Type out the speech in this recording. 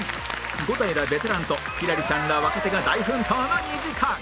伍代らベテランと輝星ちゃんら若手が大奮闘の２時間